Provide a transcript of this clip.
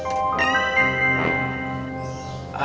nanti kita bicara lagi ya